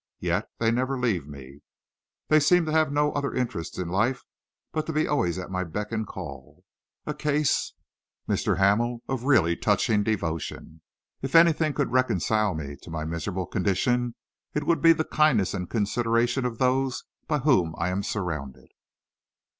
Yet they never leave me. They seem to have no other interest in life but to be always at my beck and call. A case, Mr. Hamel, of really touching devotion. If anything could reconcile me to my miserable condition, it would be the kindness and consideration of those by whom I am surrounded."